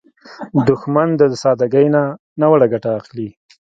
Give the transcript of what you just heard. دښمن د سادګۍ نه ناوړه ګټه اخلي